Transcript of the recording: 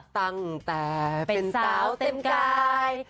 ตั้งแต่เป็นสาวเต็มกาย